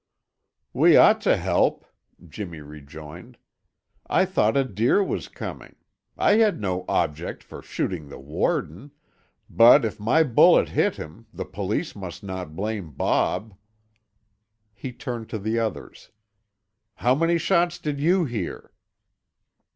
"We ought to help," Jimmy rejoined. "I thought a deer was coming; I had no object for shooting the warden, but if my bullet hit him, the police must not blame Bob." He turned to the others. "How many shots did you hear?"